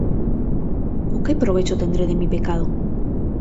¿O qué provecho tendré de mi pecado?